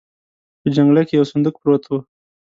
په جنګله کې يو صندوق پروت و.